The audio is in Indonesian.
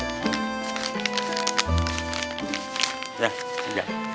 gue jalan dulu ya